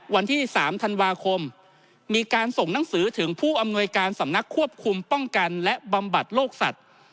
วันที่๓ธันวาคมมีการส่งหนังสือถึงผู้อำนวยการสำนักควบคุมป้องกันและบำบัดโลกสัตว์